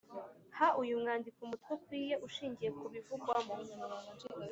Ha uyu mwandiko umutwe ukwiye ushingiye ku bivugwamo.